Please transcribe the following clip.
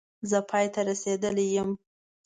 زه پای ته رسېدلی یم